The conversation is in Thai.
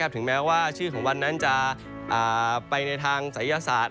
ถึงแม้ว่าชื่อของวันนั้นจะไปในทางศัยศาสตร์